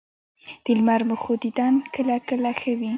د لمر مخو دیدن کله کله ښه وي